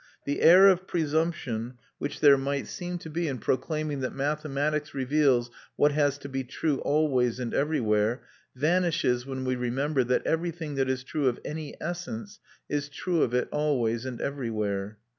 The air of presumption which there might seem to be in proclaiming that mathematics reveals what has to be true always and everywhere, vanishes when we remember that everything that is true of any essence is true of it always and everywhere.